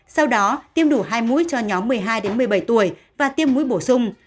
sau đó tiêm đủ hai mũi cho nhóm một mươi hai một mươi bảy tuổi và tiêm mũi bổ sung